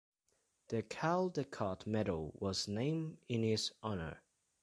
The Caldecott Medal was named in his honour.